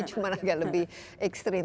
cuma agak lebih ekstrim